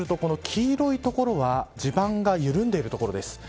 そうすると黄色い所は地盤が緩んでいる所です。